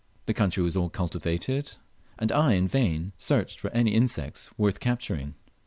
The country was all cultivated, and I in vain searched for any insects worth capturing.